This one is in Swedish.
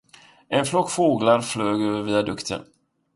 En flock fåglar flög över viadukten.